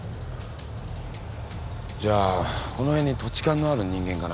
じゃあこの辺に土地勘のある人間かな？